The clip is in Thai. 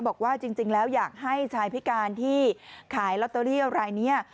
บอกว่าจริงแล้วอยากให้ชายพิการที่ขายลอตเตอรี่รายนี้